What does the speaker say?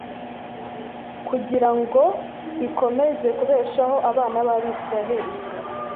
kugira ngo ikomeze kubeshaho abana b’Abisiraheli